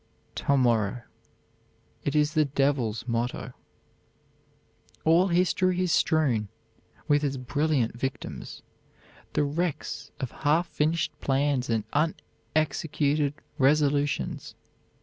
"To morrow." It is the devil's motto. All history is strewn with its brilliant victims, the wrecks of half finished plans and unexecuted resolutions.